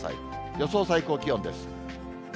予想最高気温です。